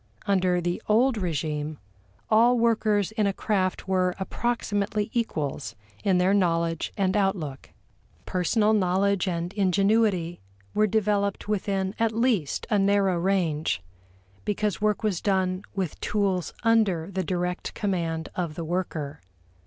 Under the old regime all workers in a craft were approximately equals in their knowledge and outlook. Personal knowledge and ingenuity were developed within at least a narrow range, because work was done with tools under the direct command of the worker.